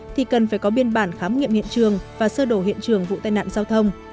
thì cần phải có biên bản khám nghiệm hiện trường và sơ đổ hiện trường vụ tai nạn giao thông